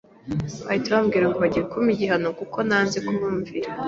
bahita bambwira ngo bagiye kumpa igihano kuko nanze kubumvira